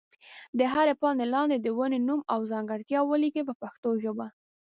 د هرې پاڼې لاندې د ونې نوم او ځانګړتیا ولیکئ په پښتو ژبه.